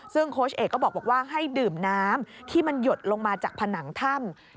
ซึ่งโค้ชเอกก็บอกว่าให้ดื่มน้ำที่มันหยดลงมาจากผนังถ้ำ